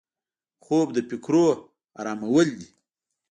خوب د فکرونو آرام کول دي